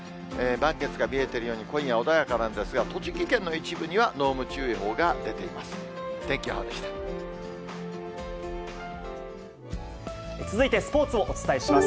満月が見えているように、今夜は穏やかなんですが、栃木県の一部には濃霧注意報が出ています。